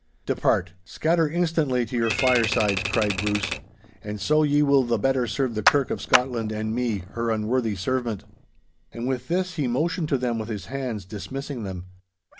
'Depart—scatter instantly to your firesides!' cried Bruce. 'And so ye will the better serve the Kirk of Scotland and me, her unworthy servant.' And with this he motioned to them with his hands, dismissing them.